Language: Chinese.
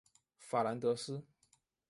法兰德斯。